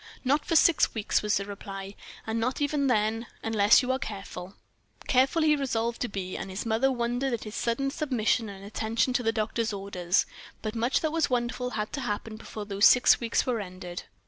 "Not for six weeks," was the reply, "and not even then unless you are careful." Careful he resolved to be, and his mother wondered at his sudden submission and attention to the doctor's orders; but much that was wonderful had to happen before those six weeks were ended.